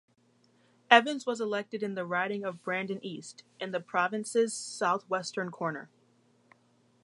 Evans was elected in the riding of Brandon East, in the province's southwestern corner.